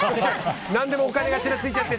何でもお金がちらついちゃって。